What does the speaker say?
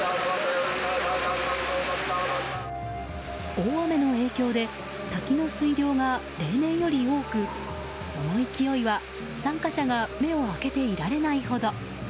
大雨の影響で滝の水量が例年より多くその勢いは、参加者が目を開けていられないほど。